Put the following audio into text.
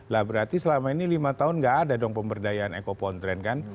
lah berarti selama ini lima tahun nggak ada dong pemberdayaan ekopontren kan